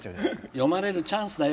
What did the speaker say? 読まれるチャンスだよ。